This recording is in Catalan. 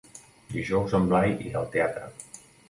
Dijous en Blai irà al teatre.